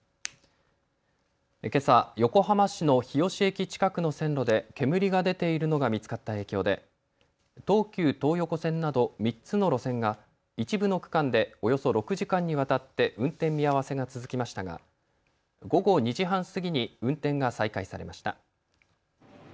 けさ、横浜市の日吉駅近くの線路で煙が出ているのが見つかった影響で東急東横線など３つの路線が一部の区間でおよそ６時間にわたって運転見合わせが続きましたが午後２時半過ぎに運転が再開されました。